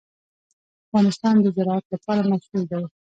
افغانستان د زراعت لپاره مشهور دی.